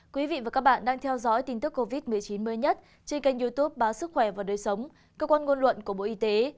quý vị và các bạn đang theo dõi tin tức covid một mươi chín mới nhất trên kênh youtube báo sức khỏe và đời sống cơ quan ngôn luận của bộ y tế